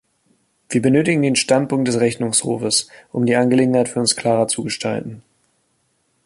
Wir benötigen den Standpunkt des Rechnungshofes, um die Angelegenheit für uns klarer zu gestalten.